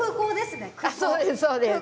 そうですそうです。